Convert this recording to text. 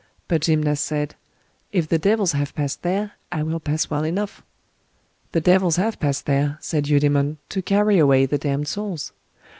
But Gymnast said, If the devils have passed there, I will pass well enough. The devils have passed there, said Eudemon, to carry away the damned souls.